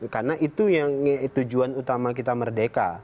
karena itu yang tujuan utama kita merdeka